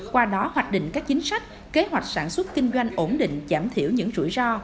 qua đó hoạch định các chính sách kế hoạch sản xuất kinh doanh ổn định giảm thiểu những rủi ro